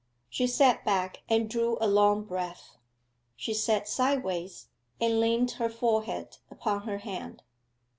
She sat back and drew a long breath: she sat sideways and leant her forehead upon her hand.